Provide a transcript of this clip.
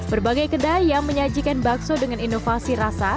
berbagai kedai yang menyajikan bakso dengan inovasi rasa